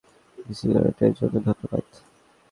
সিগারেটের জন্য ধন্যবাদ।